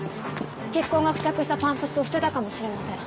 血痕が付着したパンプスを捨てたかもしれません。